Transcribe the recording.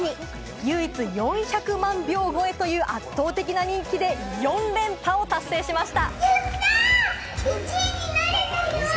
唯一、４００万票超えという圧倒的な人気で４連覇を達成しました。